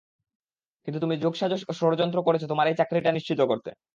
কিন্তু তুমি যোগসাজশ ও যড়যন্ত্র করেছ তোমার এই চাকরিটা নিশ্চিত করতে।